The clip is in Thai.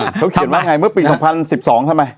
เขาเขียนว่าไงเมื่อปี๒๐๑๒ทำไม